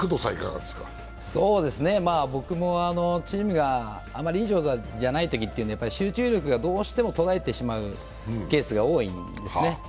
僕もチームがあまりいい状態じゃないときというのは集中力がどうしても途絶えてしまうケースが多いんですね。